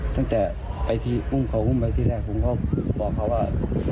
ตั้งแต่ไปที่หุ้มเขาหุ้มไปที่แรกผมก็บอกเขาว่า